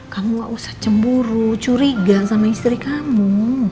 kamu gak usah cemburu curiga sama istri kamu